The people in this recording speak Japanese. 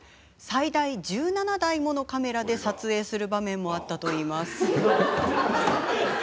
最大１７台ものカメラで撮影する場面もあったといいます。